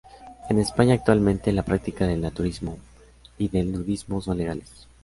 En España actualmente la práctica del naturismo y del nudismo son legales.